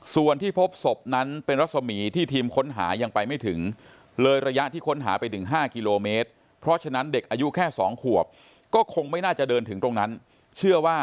ส่วนที่พบศพนั้นเป็นรสมีที่ทีมค้นหายังไปไม่ถึง